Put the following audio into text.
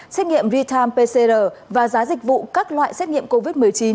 xét nghiệm retime pcr và giá dịch vụ các loại xét nghiệm covid một mươi chín